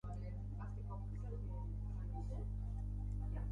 Eguraldi iragarpenak ostartedun igandea iragarri du.